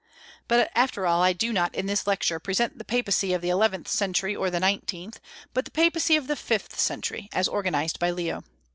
But, after all, I do not in this Lecture present the Papacy of the eleventh century or the nineteenth, but the Papacy of the fifth century, as organized by Leo.